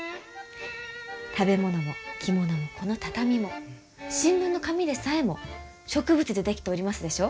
食べ物も着物もこの畳も新聞の紙でさえも植物で出来ておりますでしょう？